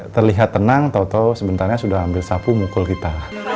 terlihat tenang tau tau sebenarnya sudah ambil sapu mukul kita